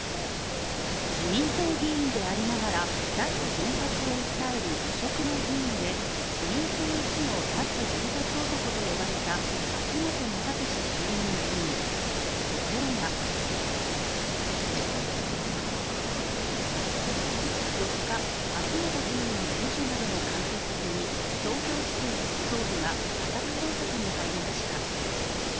自民党議員でありながら脱原発を訴える異色の議員で自民党一の脱原発男と呼ばれた秋本真利衆議院議員、ところが４日、秋本議員の事務所などの関係先に東京地検特捜部が家宅捜索に入りました。